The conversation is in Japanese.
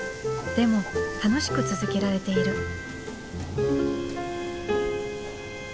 でも楽しく続けられている。